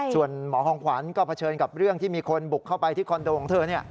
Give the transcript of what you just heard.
ส่วนหมอของขวัญก็เผชิญกับเรื่องที่มีคนบุกเข้าไปที่คอนโดของเธอ